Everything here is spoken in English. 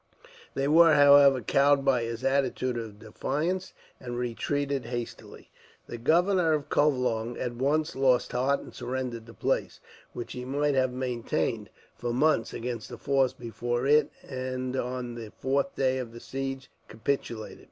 They were, however, cowed by his attitude of defiance, and retreated hastily. The governor of Covelong at once lost heart and surrendered the place; which he might have maintained, for months, against the force before it; and on the fourth day of the siege, capitulated.